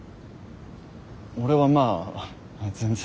俺はまあ全然。